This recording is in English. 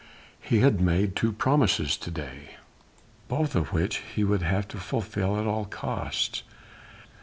He had made two promises to day, both of which he would have to fulfil at all costs.